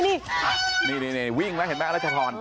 นี่นี่วิ่งแล้วเห็นไหมอรัชพร